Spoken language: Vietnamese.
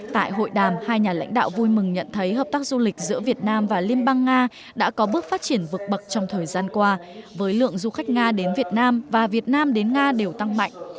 tại hội đàm hai nhà lãnh đạo vui mừng nhận thấy hợp tác du lịch giữa việt nam và liên bang nga đã có bước phát triển vực bậc trong thời gian qua với lượng du khách nga đến việt nam và việt nam đến nga đều tăng mạnh